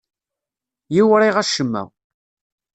Yewriɣ acemma.